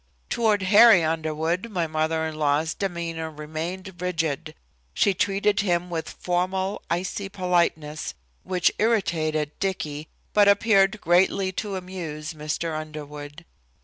Toward Harry Underwood my mother in law's demeanor remained rigid. She treated him with formal, icy politeness which irritated Dicky, but appeared greatly to amuse Mr. Underwood.